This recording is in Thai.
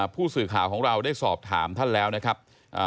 ผู้สื่อข่าวของเราได้สอบถามท่านแล้วนะครับ